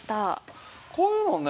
こういうのをね